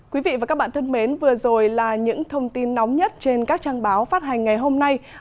quý vị và các bạn thân mến vừa rồi là những thông tin nóng nhất trên các trang báo phát hành ngày hôm nay